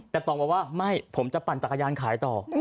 แต่ต่องบอกว่าไม่ผมจะปั่นจักรยานขายต่อ